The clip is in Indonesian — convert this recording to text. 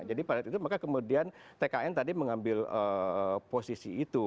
jadi pada itu maka kemudian tkn tadi mengambil posisi itu